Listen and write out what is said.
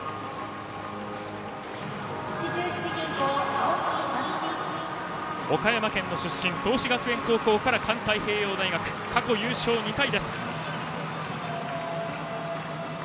青木益未は岡山県出身創志学園高校から環太平洋大学過去優勝２回です。